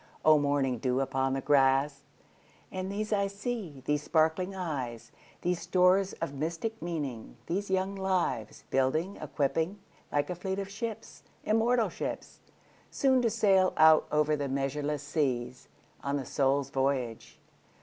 O morning dew upon the grass! And these I see—these sparkling eyes, These stores of mystic meaning—these young lives, Building, equipping, like a fleet of ships—immortal ships! Soon to sail out over the measureless seas, On the Soul's voyage.